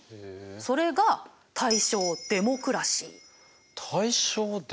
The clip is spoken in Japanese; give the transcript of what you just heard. それが大正デモクラシー？